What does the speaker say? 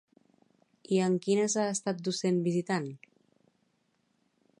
I en quines ha estat docent visitant?